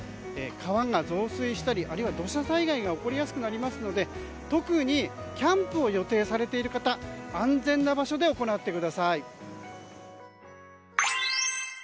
川が増水したりあるいは土砂災害が起こりやすくなりますのでキャンプを予定されている方は安全な場所で行ってください。